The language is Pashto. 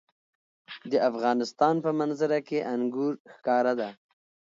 د افغانستان په منظره کې انګور ښکاره ده.